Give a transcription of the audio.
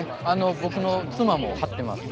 僕の妻も貼ってます。